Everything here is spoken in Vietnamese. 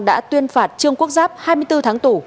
đã tuyên phạt trương quốc giáp hai mươi bốn tháng tù